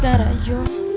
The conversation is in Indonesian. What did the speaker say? gak ada sakti